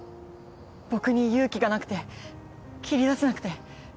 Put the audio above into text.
僕に勇気がなくて切り出せなくて。